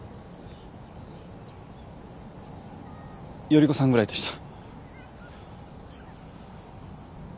依子さんぐらいでした。